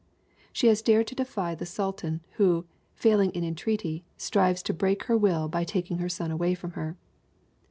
She has dared to defy the Sultan, who, failing in entreaty, strives to break her will by taking her son away from her.